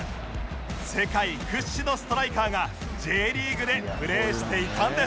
世界屈指のストライカーが Ｊ リーグでプレーしていたんです